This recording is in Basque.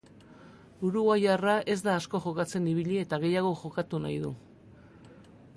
Uruguaiarra ez da asko jokatzen ibili eta gehiago jokatu nahi du.